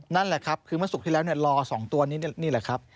นั่นแหละครับคือเมื่อศุกร์ที่แล้วรอ๒ตัวนี้นี่แหละครับ